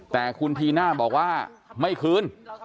แต่คุณธีน่าบอกว่าไม่คืน